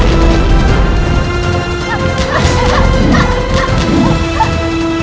lebih baik kita lari dari sini